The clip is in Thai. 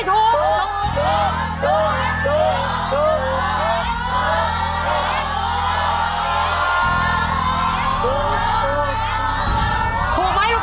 ถูกหรือไม่ถูก